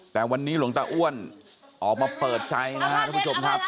แต่วันนี้หลวงตาอ้วนออกมาเปิดใจนะครับทุกผู้ชมครับ